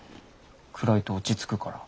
暗いと落ち着くから。